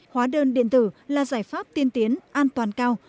hóa đơn điện tử là giải pháp tiên tiến an toàn cao